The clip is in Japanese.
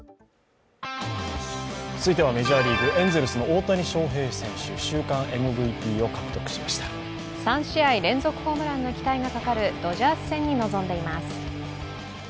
続いてはメジャーリーグ、エンゼルスの大谷翔平選手、３試合連続ホームランの期待がかかるドジャース戦に臨んでいます。